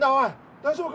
大丈夫か？